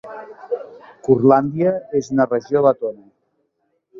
Curlàndia és una regió letona.